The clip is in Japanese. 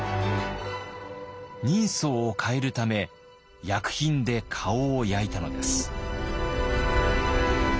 人相を変えるため薬品で顔を焼いたのです。